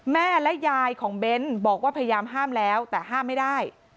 แม่และยายของเบ้นบอกว่าพยายามห้ามแล้วแต่ห้ามไม่ได้